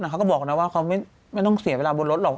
เขาก็บอกนะว่าเขาไม่ต้องเสียเวลาบนรถหรอก